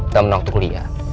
temen waktu kuliah